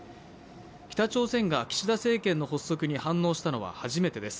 北朝鮮が岸田政権の発足に反応したのは初めてです。